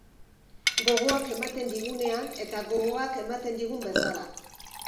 Gogoak ematen digunean eta gogoak ematen digun bezala.